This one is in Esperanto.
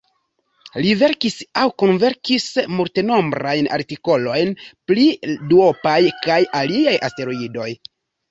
Li verkis aŭ kunverkis multenombrajn artikolojn pri duopaj kaj aliaj asteroidoj.